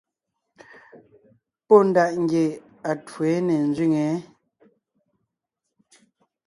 Pɔ́ ndaʼ ngie atwó yé ne ńzẅíŋe yé.